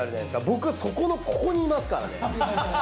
僕そこのここにいますからね。